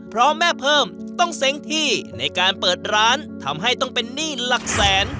เพราะแม่เพิ่มต้องเซ้งที่ในการเปิดร้านทำให้ต้องเป็นหนี้หลักแสน